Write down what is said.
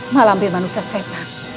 malampir manusia setan